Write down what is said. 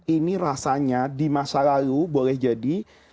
ini rasanya di masa lalu boleh jadi